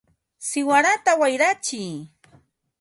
¡siwarata wayratsiy!